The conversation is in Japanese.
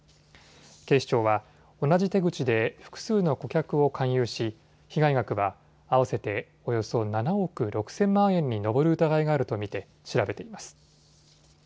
警視庁は同じ手口で複数の顧客を勧誘し被害額は合わせておよそ７億６０００万円に上る疑いがあると見て調べています。